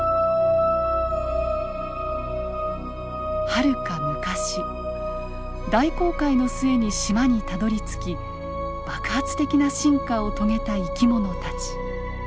はるか昔大航海の末に島にたどりつき爆発的な進化を遂げた生き物たち。